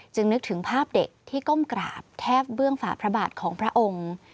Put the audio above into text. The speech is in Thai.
นึกถึงภาพเด็กที่ก้มกราบแทบเบื้องฝาพระบาทของพระองค์